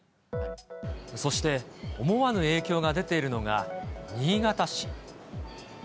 そして、思わぬ影響が出ているのが、新潟市。